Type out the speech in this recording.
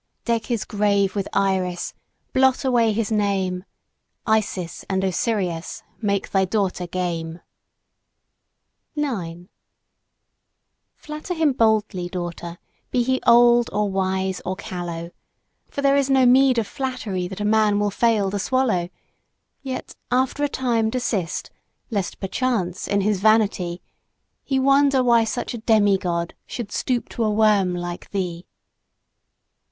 Deck his grave with iris; blot away his name. Isis and Osiris, make thy Daughter game! 9 Flatter him boldly, Daughter, be he old or wise or callow; For there is no meed of flattery that a man will fail to swallow. Yet, after a time, desist; lest perchance, in his vanity, He wonder why such a demi god should stoop to a worm like thee!